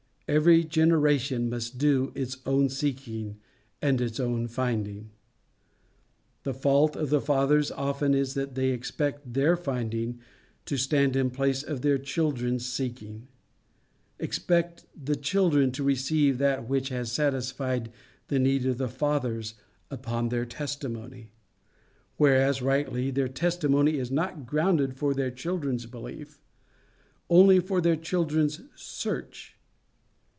Every generation must do its own seeking and its own finding. The fault of the fathers often is that they expect their finding to stand in place of their children's seeking expect the children to receive that which has satisfied the need of their fathers upon their testimony; whereas rightly, their testimony is not ground for their children's belief, only for their children's search.